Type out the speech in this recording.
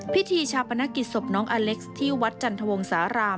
พิธีชาปนกิจศพน้องอเล็กซ์ที่วัดจันทวงสาราม